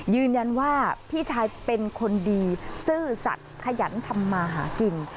ยืนยันว่าพี่ชายเป็นคนดีซื่อสัตว์ขยันทำมาหากิน